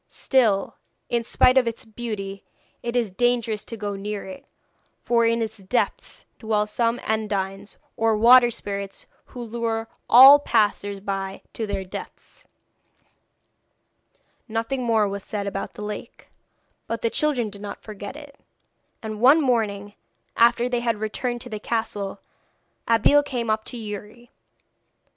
Still, in spite of its beauty, it is dangerous to go near it, for in its depths dwell some Undines, or water spirits, who lure all passers by to their deaths.' Nothing more was said about the lake, but the children did not forget it, and one morning, after they had returned to the castle, Abeille came up to Youri.